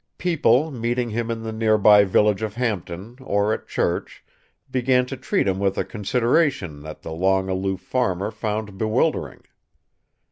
People, meeting him in the nearby village of Hampton or at church, began to treat him with a consideration that the long aloof farmer found bewildering.